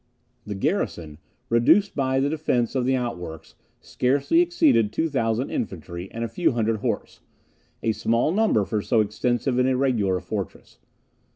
The garrison, reduced by the defence of the outworks, scarcely exceeded 2000 infantry and a few hundred horse; a small number for so extensive and irregular a fortress.